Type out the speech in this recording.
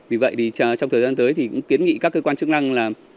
vì vậy thì trong thời gian tới thì kiến nghị các cơ quan chức năng